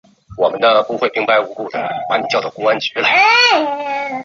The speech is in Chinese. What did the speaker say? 云桂虎刺为茜草科虎刺属下的一个种。